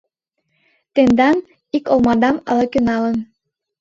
Тендан ик олмадам ала-кӧ налын.